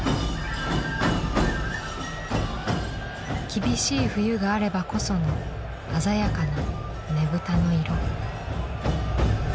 厳しい冬があればこその鮮やかなねぶたの色。